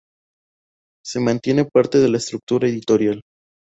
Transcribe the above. Se mantiene parte de la estructura editorial.